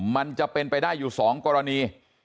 มันจะเป็นไปได้อยู่๒กรณี